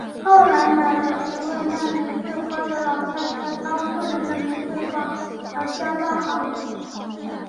后来买了一位卖玫瑰花的老太太高夫人的玫瑰花而交到好运。